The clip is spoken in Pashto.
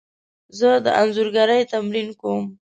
زه د انځورګري تمرین کوم.